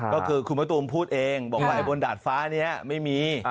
ก็คือคุณมะตูมพูดเองบอกว่าบนดาดฟ้านี้ไม่มี